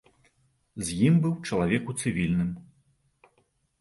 З ім быў чалавек у цывільным.